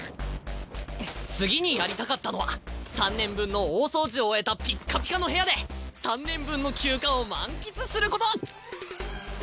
次にやりたかったのは３年分の大掃除を終えたピッカピカの部屋で３年分の休暇を満喫すること！